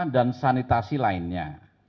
dan sanitasi lainnya